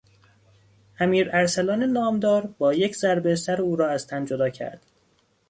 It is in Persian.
امیر ارسلان نامدار با یک ضربه سر او را از تن جدا کرد.